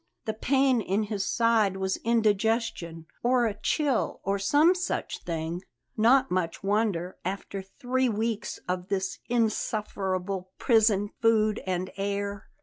The pain in his side was indigestion, or a chill, or some such thing; not much wonder, after three weeks of this insufferable prison food and air.